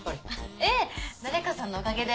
ええ誰かさんのおかげで。